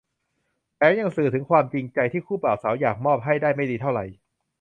แถมยังสื่อถึงความจริงใจที่คู่บ่าวสาวอยากมอบให้ได้ไม่ดีเท่าไหร่